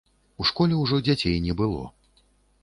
У школе ўжо дзяцей не было.